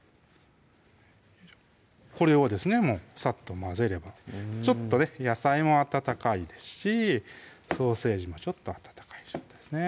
これをですねさっと混ぜればちょっとね野菜も温かいですしソーセージもちょっと温かい状態ですね